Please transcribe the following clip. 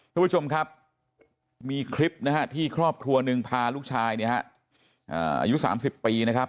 ทุกผู้ชมครับมีคลิปนะฮะที่ครอบครัวหนึ่งพาลูกชายเนี่ยฮะอายุ๓๐ปีนะครับ